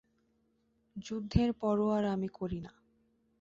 যুদ্ধের পরোয়া আর আমি করি না।